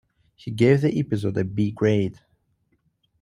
He gave the episode a B grade.